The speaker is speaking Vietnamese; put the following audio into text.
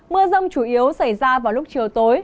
mưa rông chủ yếu xảy ra vào lúc chiều tối